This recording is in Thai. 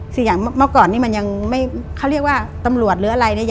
คืออย่างเมื่อก่อนนี้มันยังไม่เขาเรียกว่าตำรวจหรืออะไรเนี่ย